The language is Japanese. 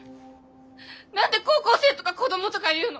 何で高校生とか子供とか言うの！？